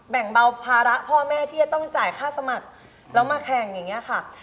แบ่งเบาภาระพ่อแม่ที่จะต้องจ่ายค่าสมัครแล้วมาแข่งอย่างนี้ค่ะ